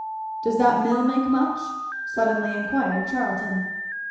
"Does that mill make much?" suddenly inquired Charlton.